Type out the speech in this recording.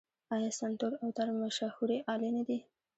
آیا سنتور او تار مشهورې الې نه دي؟